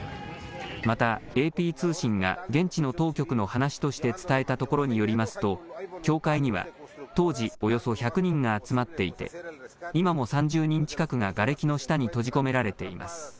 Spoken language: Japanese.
また、ＡＰ通信が現地の当局の話として伝えたところによりますと、教会には当時、およそ１００人が集まっていて、今も３０人近くががれきの下に閉じ込められています。